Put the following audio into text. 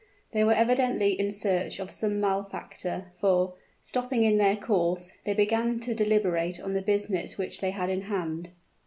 They were evidently in search of some malefactor, for, stopping in their course, they began to deliberate on the business which they had in hand.